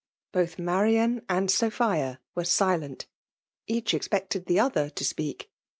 Soth Marian and Sophia were silent. Each expected the other to speak.